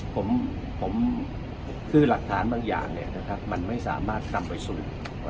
ผมผมคือหลักฐานบางอย่างเนี่ยนะครับมันไม่สามารถนำไปสู่